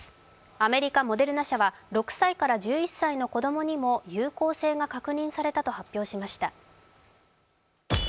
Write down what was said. アメリカ・モデルナ社は６歳から１１歳の子供にも有効性が確認されたと発表しました。